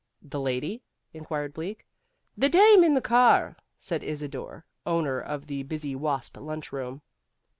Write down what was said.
"The lady?" inquired Bleak. "The dame in the car," said Isidor, owner of the Busy Wasp Lunchroom.